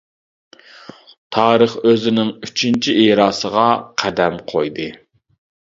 تارىخ ئۆزىنىڭ ئۈچىنچى ئېراسىغا قەدەم قويدى.